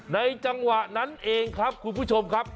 จังหวะนั้นเองครับคุณผู้ชมครับ